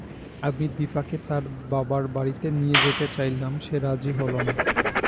আমি দিপাকে তার বাবার বাড়িতে নিয়ে যেতে চাইলাম, সে রাজি হল না।